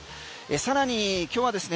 更に今日はですね